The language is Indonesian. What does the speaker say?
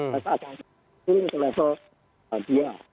pasang ke level dia